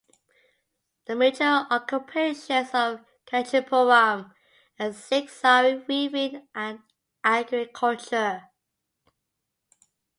The major occupations of Kanchipuram are silk sari weaving and agriculture.